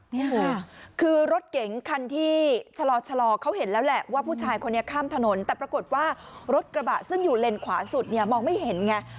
นี่ค่ะคือรถเก๋งคันที่ชะลอเขาเห็นแล้วแหละว่าผู้ชายคนนี้ข้ามถนนแต่ปรากฏว่ารถกระบะซึ่งอยู่เลนขวาสุดเนี่ยมองไม่เห็นไง